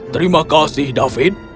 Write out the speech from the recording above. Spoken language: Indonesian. terima kasih david